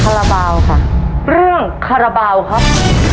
คาราบาลค่ะเรื่องคาราบาลครับ